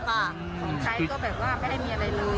ของใช้ก็แบบว่าไม่ได้มีอะไรเลย